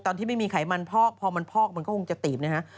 ตอนที่ไม่มีไขมันพอกพอมันพอกมันก็คงจะตีบนะฮะ